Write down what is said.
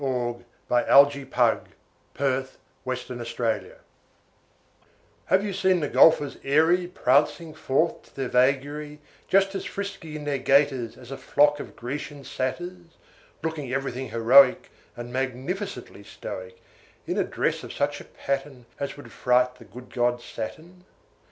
Norman Rowland Gale Golf Steals Our Youth HAVE you seen the golfers airy Prancing forth to their vagary, Just as frisky in their gaiters As a flock of Grecian Satyrs, Looking everything heroic, And magnificently stoic, In a dress of such a pattern As would fright the good God Saturn?